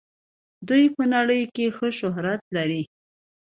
دوی په نړۍ کې ښه شهرت لري.